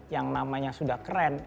yang namanya sudah keren